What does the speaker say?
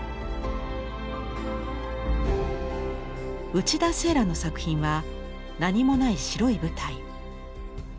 内田聖良の作品は何もない白い舞台。